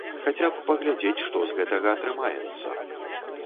Хаця б паглядзець, што з гэтага атрымаецца.